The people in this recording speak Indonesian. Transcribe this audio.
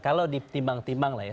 kalau ditimbang timbang lah ya